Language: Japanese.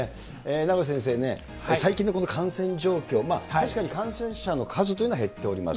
名越先生ね、最近の感染状況、確かに感染者の数というのは減っております。